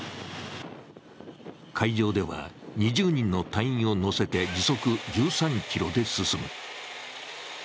海上では、２０人の隊員を乗せて時速１３キロで進む。